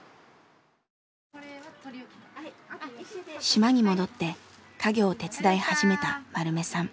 島に戻って家業を手伝い始めた丸目さん。